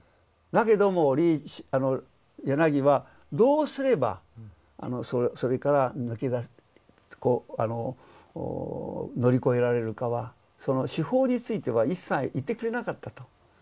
だけども柳はどうすればそれから乗り越えられるかはその手法については一切言ってくれなかったと。